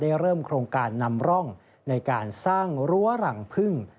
เริ่มโครงการนำร่องในการสร้างรั้วรังพึ่ง